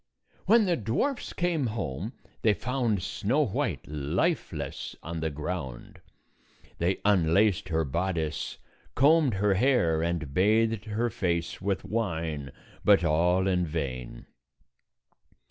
When the dwarfs came home, they found Snow White lifeless on the ground. They un laced her bodice, combed her hair, and bathed her face with wine, but all in vain.